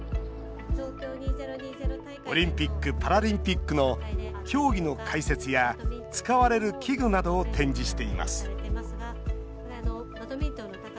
オリンピック・パラリンピックの競技の解説や使われる器具などを展示しています。